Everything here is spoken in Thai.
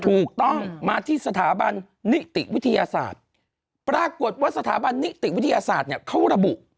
ถูกต้องมาที่สถาบันนิติวิทยาศาสตร์ปรากฏว่าสถาบันนิติวิทยาศาสตร์เนี่ยเขาระบุ